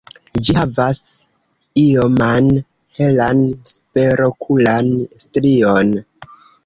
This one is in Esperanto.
Ĝi havas ioman helan superokulan strion.